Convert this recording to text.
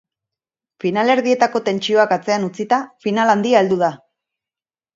Finalerdietako tentsioak atzean utzita, final handia heldu da.